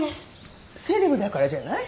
セレブだからじゃない？